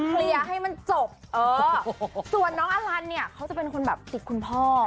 เคลียร์ให้มันจบส่วนน้องอลันเนี่ยเขาจะเป็นคนแบบติดคุณพ่อ